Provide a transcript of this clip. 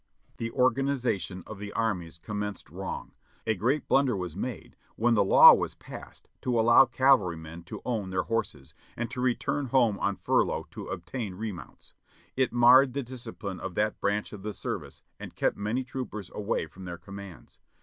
The organization of the armies commenced wrong; a great 714 JOHNNY RKB AND BII,I,Y YANK blunder was made when the law was passed to allow the cavalry men to own their horses, and to return home on furlough to ob tain remounts. It marred the discipline of that branch of the service and kept many troopers away from their commands.